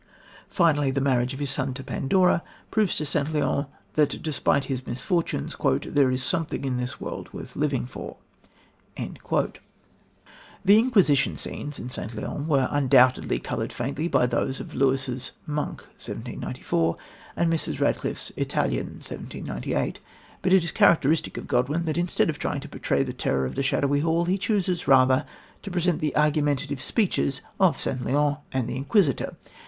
Finally the marriage of his son to Pandora proves to St. Leon that despite his misfortunes "there is something in this world worth living for." The Inquisition scenes of St. Leon were undoubtedly coloured faintly by those of Lewis's Monk (1794) and Mrs. Radcliffe's Italian (1798); but it is characteristic of Godwin that instead of trying to portray the terror of the shadowy hall, he chooses rather to present the argumentative speeches of St. Leon and the Inquisitor.